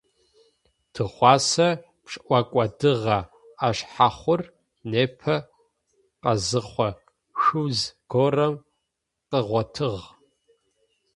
Тыгъуасэ пшӏокӏодыгъэ ӏэшъхьэхъур непэ къэзэхъо шъуз горэм къыгъотыгъ.